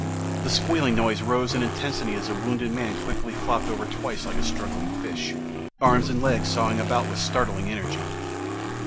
The squealing noise rose in intensity as the wounded man quickly flopped over twice like a struggling fish, arms and legs sawing about with startling energy.